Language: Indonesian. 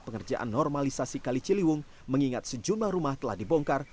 pengerjaan normalisasi kali ciliwung mengingat sejumlah rumah telah dibongkar